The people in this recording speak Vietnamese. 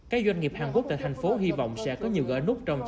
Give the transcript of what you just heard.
các doanh nghiệp hàn quốc tại thành phố hy vọng sẽ có nhiều gỡ nút trong